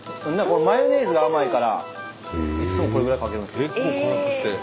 マヨネーズが甘いからいっつもこれぐらいかけるんですよ。